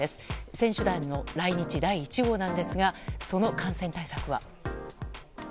選手団の来日第１号なんですがその感染対策は？